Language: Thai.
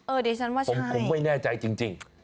ดิฉันว่าผมไม่แน่ใจจริง